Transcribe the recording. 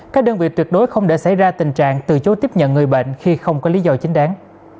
các đơn vị tuyệt đối không để xảy ra tình trạng từ chối tiếp nhận người bệnh khi không có lý do chính đáng